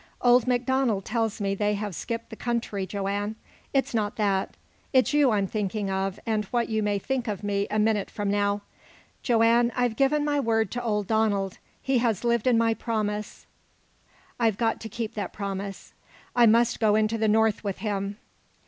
"Old Donald tells me they have skipped the country, Joanne. It's not that. It's you I'm thinking of, and what you may think of me a minute from now. Joanne, I've given my word to old Donald. He has lived in my promise. I've got to keep that promise I must go into the North with him."